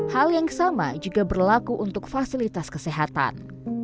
hal yang sama juga berlaku untuk fasilitas kesehatan